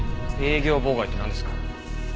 営業妨害ってなんですかね？